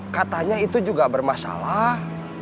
katanya itu juga bermasalah